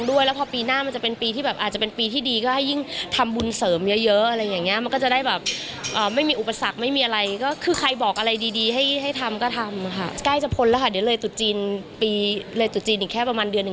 เวลาทำอะไรมันก็จะได้ไม่มีอะไรติดขัด